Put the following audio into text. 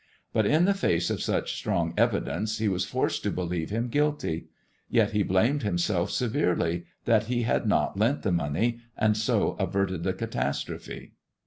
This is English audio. But in tlio fnce of such Btrong evidence, 1)0 wus forced to believe him guilty : yet be blamed himself severely that he had not lent the money, and so averted the catastrophe.